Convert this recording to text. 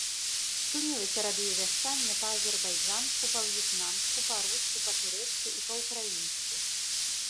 Спынілася радыёвяшчанне па-азербайджанску, па-в'етнамску, па-руску, па-турэцку і па-ўкраінску.